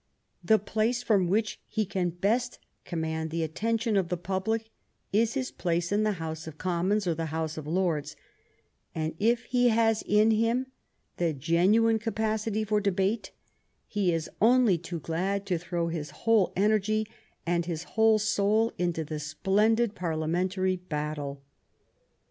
The place from which he can best command the attention of the public is his place in the House of Commons or the House of Lords, and if he has in him the genuine capacity for debate, he is only too glad to throw his whole energy and his whole soul into the splendid parliamentary battle.